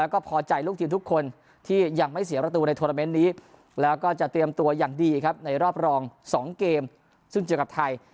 แล้วก็พอใจลูกทีมทุกคนที่ยังไม่เสียประตูในโทรเมนต์นี้แล้วก็จะเตรียมตัวอย่างดีครับในรอบรอง๒เกมซึ่งเจอกับไทย